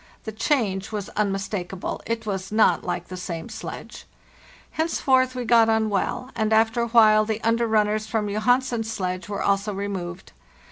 The change was unmistakable; it was not like the same sledge. Henceforth we got on well, and after a while the under runners from Johansen's sledge were also re moved.